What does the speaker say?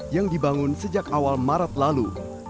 yang dibangun sejak awal maret lalu